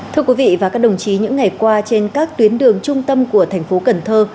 thưa quý vị và các đồng chí những ngày qua trên các tuyến đường trung tâm của thành phố cần thơ